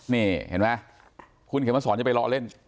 นี่เห็นไหมคุณเขียนมาสอนจะไปรอเล่น